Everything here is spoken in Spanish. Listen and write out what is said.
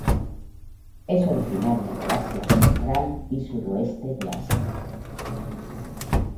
Es originaria de Asia Central y Suroeste de Asia.